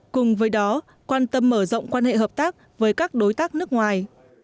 cùng với đó quan tâm mở rộng quan hệ hợp tác với các đối tác nước ngoài